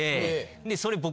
でそれ僕。